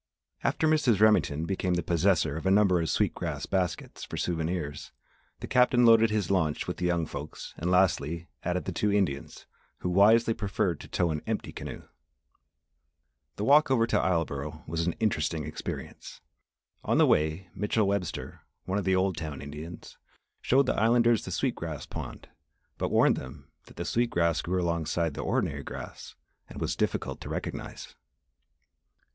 After Mrs. Remington became the possessor of a number of sweet grass baskets for souvenirs, the Captain loaded his launch with the young folks and, lastly, added the two Indians who wisely preferred to tow an empty canoe. The walk over Isleboro was an interesting experience. On the way, Mitchell Webster, one of the Old Town Indians, showed the Islanders the sweet grass pond but warned them that the sweet grass grew alongside the ordinary grass and was difficult to recognise.